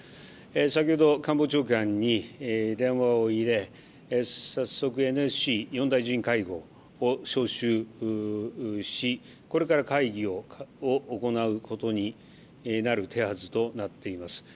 先ほど官房長官に電話を入れ、早速、ＮＳＣ、４大臣会合を招集しこれから会議を行うことになる手はずとなっています。